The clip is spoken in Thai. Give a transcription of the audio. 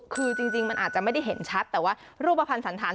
คือจริงมันอาจจะไม่ได้เห็นชัดแต่ว่ารูปภัณฑ์สันธาร